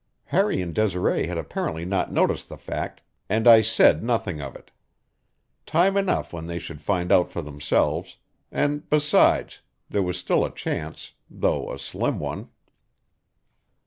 Harry and Desiree had apparently not noticed the fact, and I said nothing of it. Time enough when they should find out for themselves; and besides, there was still a chance, though a slim one.